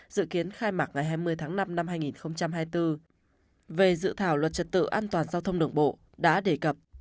dự kiến khai mạc ngày hai mươi tháng năm năm hai nghìn hai mươi bốn về dự thảo luật trật tự an toàn giao thông đường bộ đã đề cập